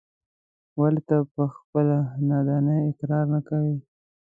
ولې ته په خپلې نادانۍ اقرار نه کوې.